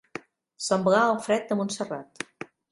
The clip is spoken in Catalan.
Semblar el fred de Montserrat.